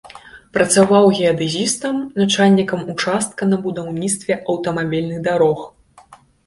Працаваў геадэзістам, начальнікам участка на будаўніцтве аўтамабільных дарог.